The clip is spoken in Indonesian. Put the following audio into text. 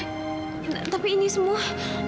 tapi dokter tapi ini semua